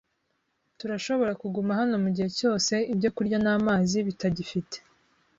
Turashobora kuguma hano mugihe cyose ibyo kurya n'amazi bitagifite.